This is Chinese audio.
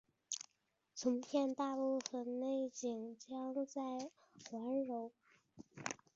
此片大部分内景将在怀柔影视基地拍摄。